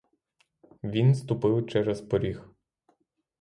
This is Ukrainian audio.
Він ступив через поріг.